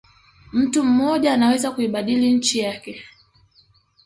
Mtu mmoja anaweza kuibadili nchi yake